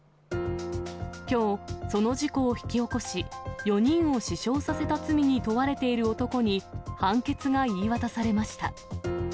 きょう、その事故を引き起こし、４人を死傷させた罪に問われている男に、判決が言い渡されました。